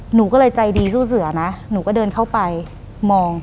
หนูก็เลยใจดีสู้เสือนะหนูก็เดินเข้าไปมอง